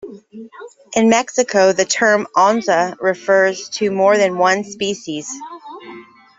In Mexico the term "onza" refers to more than one species.